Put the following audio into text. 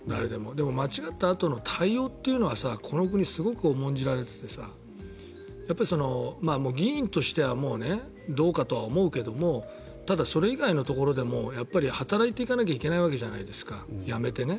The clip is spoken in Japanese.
でも、間違ったあとの対応ってこの国、すごく重んじられててさ議員としてはどうかとは思うけどもただ、それ以外のところでも働いていかないといけないわけじゃないですか辞めてね。